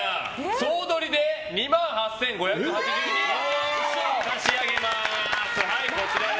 総取りで２万８５３２円差し上げます。